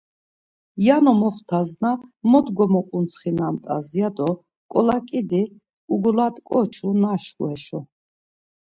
Yano moxtasna mot gomoǩuntsxinamt̆as ya do ǩolaǩidi ugolat̆ǩoçu naşku heşo.